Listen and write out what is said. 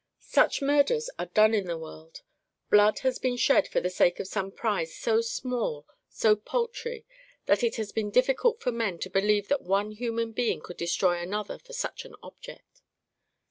Such murders are done in the world. Blood has been shed for the sake of some prize so small, so paltry, that it has been difficult for men to believe that one human being could destroy another for such an object.